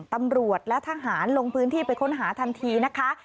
ตำรวจและทหารลงพื้นที่ไปค้นหาทันทีนะคะ